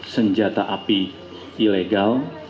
senjata api ilegal